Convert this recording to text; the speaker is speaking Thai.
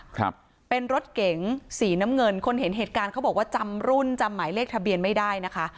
ครับเป็นรถเก๋งสีน้ำเงินคนเห็นเหตุการณ์เขาบอกว่าจำรุ่นจำหมายเลขทะเบียนไม่ได้นะคะ